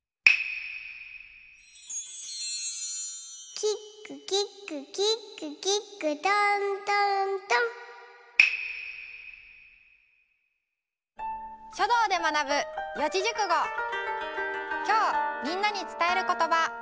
「キックキックキックキック」きょうみんなにつたえることば。